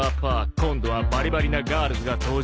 「今度はバリバリなガールズが登場」